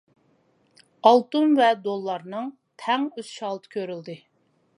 ئالتۇن ۋە دوللارنىڭ تەڭ ئۆسۈش ھالىتى كۆرۈلدى.